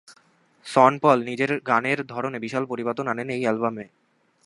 সন Paul নিজের গানের ধরনে বিশাল পরিবর্তন আনেন এই অ্যালবামে।